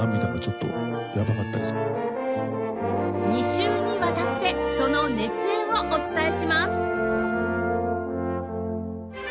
２週にわたってその熱演をお伝えします